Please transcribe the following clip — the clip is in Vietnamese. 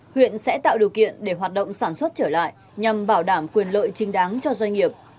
huyện sẽ tạo điều kiện để hoạt động sản xuất trở lại nhằm bảo đảm quyền lợi trinh đáng cho doanh nghiệp